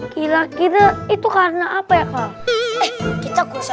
kita itu karena apa hah kg setahu karena apa kak entwica sama aja kita ikut jambul